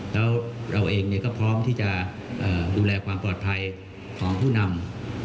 แล้วเราเองก็พร้อมที่จะดูแลความปลอดภัยของผู้นำ